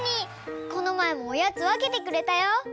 このまえもおやつわけてくれたよ。